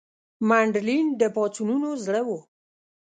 منډلینډ د پاڅونونو زړه وو.